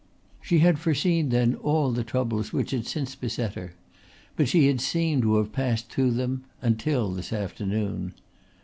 She had foreseen then all the troubles which had since beset her, but she had seemed to have passed through them until this afternoon.